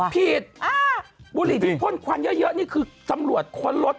ผิดบุหรี่ที่พ่นควันเยอะนี่คือตำรวจค้นรถ